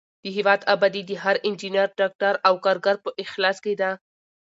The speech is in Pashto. د هېواد ابادي د هر انجینر، ډاکټر او کارګر په اخلاص کې ده.